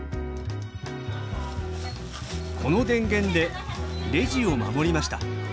この電源でレジを守りました。